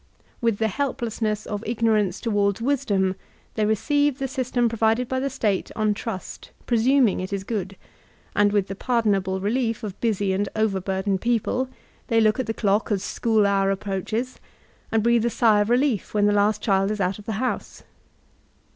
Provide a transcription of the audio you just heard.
With the helplessness of ignorance to wards wisdom, they receive the system provided by the State on trust, presuming it is good; and with the par donable relief of busy and overburdened people, they look at the dock as school hour approaches, and breathe a sigh of relief when the last child is out of the house.